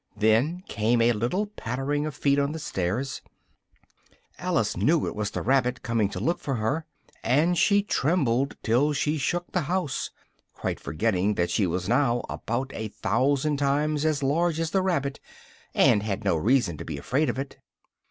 Then came a little pattering of feet on the stairs: Alice knew it was the rabbit coming to look for her, and she trembled till she shook the house, quite forgetting that she was now about a thousand times as large as the rabbit, and had no reason to be afraid of it.